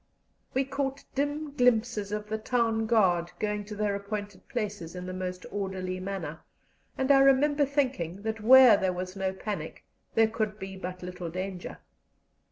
We caught dim glimpses of the town guard going to their appointed places in the most orderly manner, and I remember thinking that where there was no panic there could be but little danger.